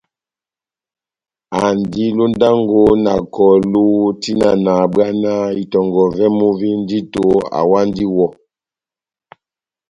Andi londango na kɔlu tian nahábwanáh itɔngɔ vɛ́mu vi ndito awandi iwɔ.